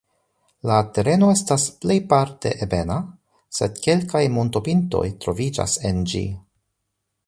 La tereno estas plejparte ebena, sed kelkaj montopintoj troviĝas en ĝi.